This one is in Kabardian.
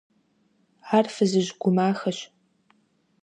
Ар фызыжь гу махэщ.